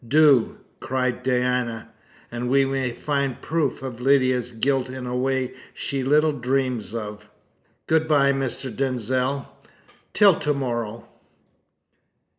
"Do!" cried Diana, "and we may find proof of Lydia's guilt in a way she little dreams of. Good bye, Mr. Denzil till to morrow."